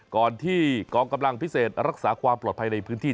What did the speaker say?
ก่อนที่กองกำลังพิเศษรักษาความปลอดภัยในพื้นที่